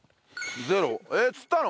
えっ釣ったの？